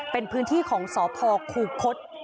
เป็นพื้นที่ของสพคูคศ